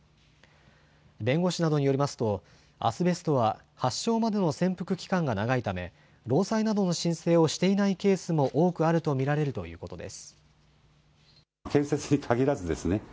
弁護士などによりますとアスベストは発症までの潜伏期間が長いため労災などの申請をしていないケースも多くあると見られるということです。